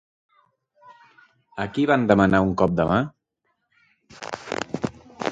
A qui van demanar un cop de mà?